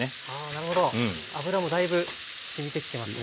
なるほど脂もだいぶしみてきてますね。